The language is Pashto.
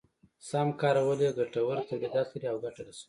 سم کارول يې ګټور توليدات لري او ګټه رسوي.